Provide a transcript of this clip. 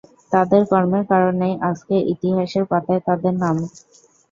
তাদের কর্মের কারণেই আজকে ইতিহাসের পাতায় তাদের নাম।